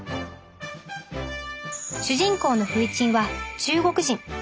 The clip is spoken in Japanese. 主人公のフイチンは中国人。